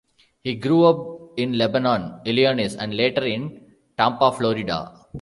He grew up in Lebanon, Illinois, and later in Tampa, Florida.